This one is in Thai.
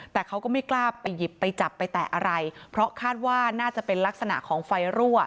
แต่เขาก็ไม่กล้าไปหยิบไปจับไปแตะอะไรเพราะคาดว่าน่าจะเป็นลักษณะของไฟรั่ว